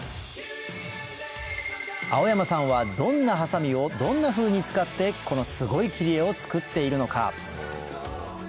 蒼山さんはどんなハサミをどんなふうに使ってこのすごい切り絵を作っているのか？